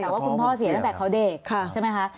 แต่ว่าคุณพ่อเสียตั้งแต่เขาเด็กใช่ไหมคะ